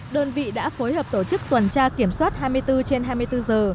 đơn vị đã phối hợp tổ chức tuần tra kiểm soát hai mươi bốn trên hai mươi bốn giờ